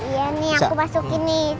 iya nih yang aku masukin nih